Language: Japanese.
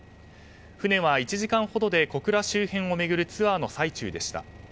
船は１時間ほどで小倉周辺を回るツアーの最中でした。